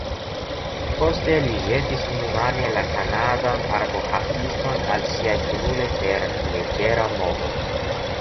Poste li ĵetis unumane la kanadan arbohakiston al siaj kunuloj per leĝera movo.